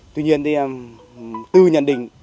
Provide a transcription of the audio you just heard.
tuy nhiên thì tư nhận định